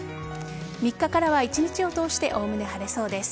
３日からは一日を通しておおむね晴れそうです。